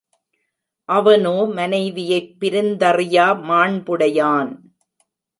அவனோ மனைவியைப் பிரிந்தறியா மாண்புடையான்.